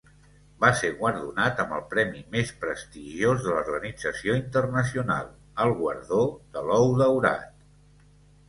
Va ser guardonat amb el premi més prestigiós de la organització internacional, el Guardó de l'Ou Daurat.